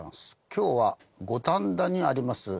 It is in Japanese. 今日は五反田にあります